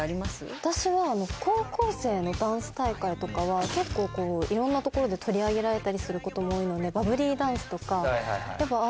私は高校生のダンス大会とかは結構いろんなところで取り上げられたりすることも多いので。